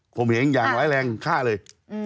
ผมเหงอย่างร้ายแรงฆ่าเลย